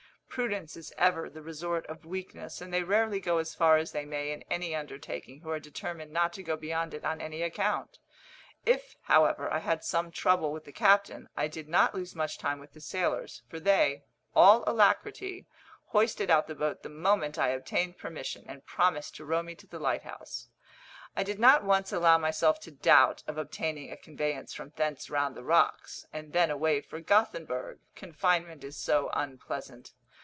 Prudence is ever the resort of weakness, and they rarely go as far as they may in any undertaking who are determined not to go beyond it on any account. If, however, I had some trouble with the captain, I did not lose much time with the sailors, for they, all alacrity, hoisted out the boat the moment I obtained permission, and promised to row me to the lighthouse. I did not once allow myself to doubt of obtaining a conveyance from thence round the rocks and then away for Gothenburg confinement is so unpleasant.